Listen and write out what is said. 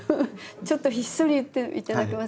ちょっとひっそり言っていただけません？